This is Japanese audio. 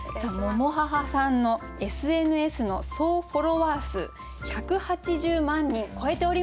ｍｏｍｏｈａｈａさんのＳＮＳの総フォロワー数１８０万人超えております！